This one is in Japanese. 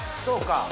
そうか。